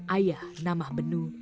ayah namah benu